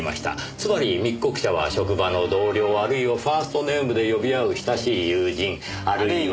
つまり密告者は職場の同僚あるいはファーストネームで呼び合う親しい友人あるいは。